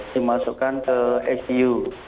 dimasukkan ke icu